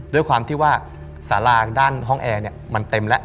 ด้วยความที่ว่าสาราด้านห้องแอร์มันเต็มแล้ว